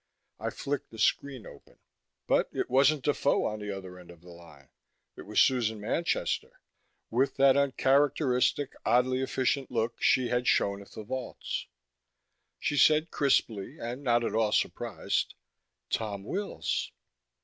I flicked the screen open. But it wasn't Defoe on the other end of the line. It was Susan Manchester, with that uncharacteristic, oddly efficient look she had shown at the vaults. She said crisply, and not at all surprised: "Tom Wills."